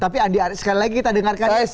tapi andi arief sekali lagi kita dengarkan